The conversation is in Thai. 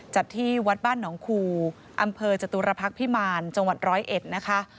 จัดที่วัดบ้านหนองคูอำเภอจตุรพักษ์พิมารจังหวัด๑๐๑นะคะ